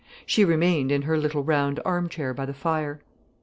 She remained in her little round armchair by the fire.